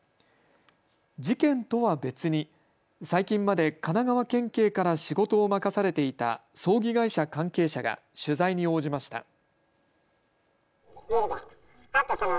事件とは別に最近まで神奈川県警から仕事を任されていた葬儀会社関係者が取材に応じました。